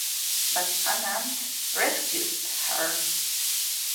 But Anand rescues her.